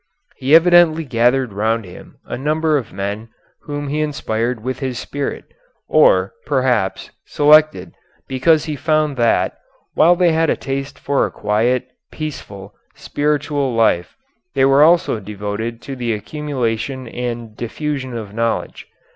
He evidently gathered round him a number of men whom he inspired with his spirit, or, perhaps, selected, because he found that, while they had a taste for a quiet, peaceful spiritual life, they were also devoted to the accumulation and diffusion of knowledge.